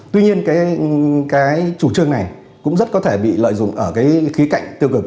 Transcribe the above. tuy nhiên cái chủ trương này cũng rất có thể bị lợi dụng ở cái khía cạnh tiêu cực